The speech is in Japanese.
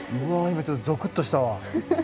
今ちょっとゾクっとしたわ。